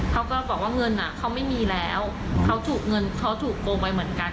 เขาก็บอกว่าเงินเขาไม่มีแล้วเขาถูกเงินเขาถูกโกงไปเหมือนกัน